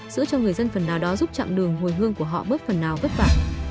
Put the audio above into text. sữa cho người dân phần nào đó giúp chặng đường hồi hương của họ bớt phần nào bất vả